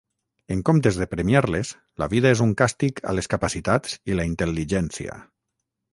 En comptes de premiar-les, la vida és un càstig a les capacitats i la intel·ligència.